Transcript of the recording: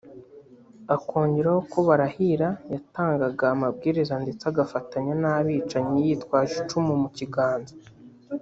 akongeraho ko Barahira yatangaga amabwiriza ndetse agafatanya n’abicanyi yitwaje icumu mu kiganza